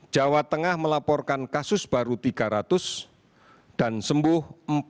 jawa tengah melaporkan kasus baru tiga ratus dan sembuh empat ratus